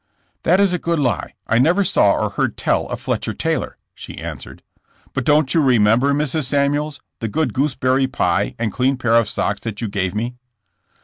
''That is a good lie. I never saw or heard tell of Fletcher Taylor," she answered. "But don't you remember, Mrs. Samuels, the good gooseberry pie and clean pair of socks that you gave me."